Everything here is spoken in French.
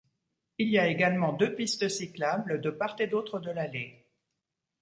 Il y a également deux pistes cyclables de part et d'autre de l'allée.